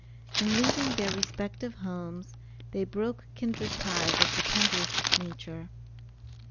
In leaving their respective homes they broke kindred ties of the tenderest nature.